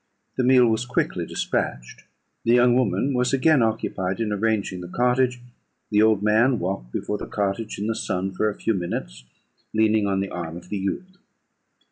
The meal was quickly despatched. The young woman was again occupied in arranging the cottage; the old man walked before the cottage in the sun for a few minutes, leaning on the arm of the youth.